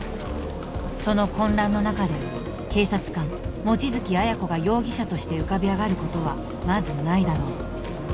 その混乱の中で警察官・望月彩子が容疑者として浮かび上がることはまずないだろう